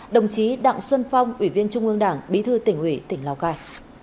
đồng chí đặng xuân phong ủy viên trung ương đảng bí thư tỉnh ủy tỉnh lào cai